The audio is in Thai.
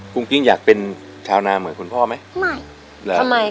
กิ้งอยากเป็นชาวนาเหมือนคุณพ่อไหมไม่เหรอทำไม